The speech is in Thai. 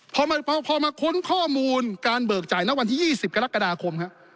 พอมาพอมาค้นข้อมูลการเบิกจ่ายณวันที่ยี่สิบกรกฎาคมครับ